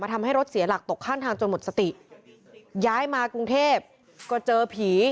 ทำให้รถเสียหลักตกข้างทางจนหมดสติย้ายมากรุงเทพก็เจอผี